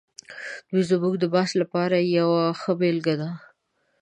دی زموږ د بحث لپاره یوه ښه بېلګه ده.